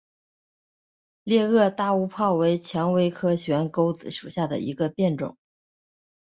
裂萼大乌泡为蔷薇科悬钩子属下的一个变种。